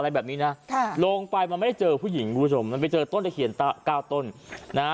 อะไรแบบนี้นะลงไปมันไม่ได้เจอผู้หญิงมันไปเจอต้นได้เขียน๙ต้น